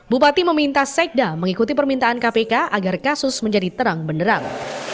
bupati meminta sekda mengikuti permintaan kpk agar kasus menjadi terang benderang